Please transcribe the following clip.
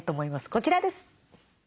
こちらです。